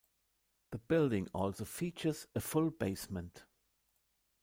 The building also features a full basement.